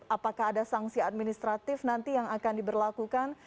apakah ada sanksi administratif nanti yang akan diberlakukan